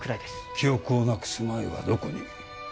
記憶をなくす前はどこに？